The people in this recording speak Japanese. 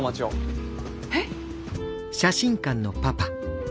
えっ！？